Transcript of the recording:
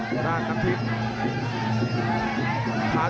ส่วนหน้างทรีพ